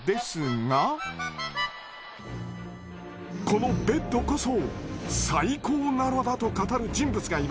このベッドこそ最高なのだと語る人物がいます。